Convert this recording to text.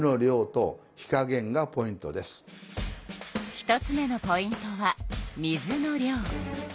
１つ目のポイントは水の量。